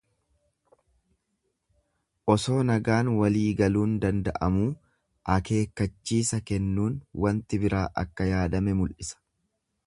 Osoo nagaan waliigaluun danda'amuu akeekkachiisa kennuun wanti biraa akka yaadame mul'isa.